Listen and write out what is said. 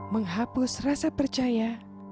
menghapus rasa percaya